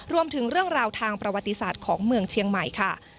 รวมถึงเรื่องราวทางประวัติศาสตร์ของเมืองเชียงใหม่ค่ะ